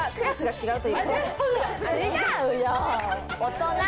違うよ！